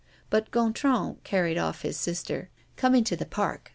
But Gontran carried off his sister: "Come into the park.